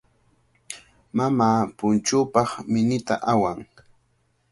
Mamaa punchuupaq minita awan.